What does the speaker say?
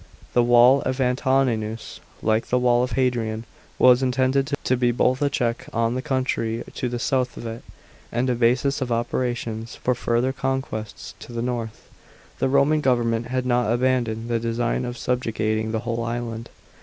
The wall of Antoninus, like the wall of Hadrian, was intended to be both a check on the country to the south of it, and a basis of operations for further conquests to the north. The Roman government had not abandoned the design of subjugating the whole island.